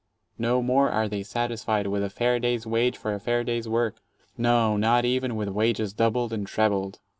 No more are they satisfied with "a fair day's wage for a fair day's work"; no, not even with wages doubled and trebled.